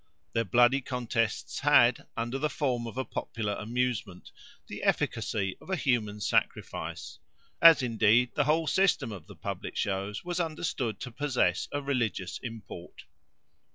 Their bloody contests had, under the form of a popular amusement, the efficacy of a human sacrifice; as, indeed, the whole system of the public shows was understood to possess a religious import.